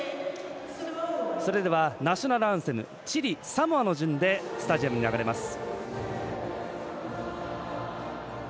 それではナショナルアンセムチリ、サモアの順でスタジアムに流れます。